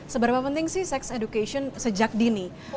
seberapa penting sih sex education sejak dini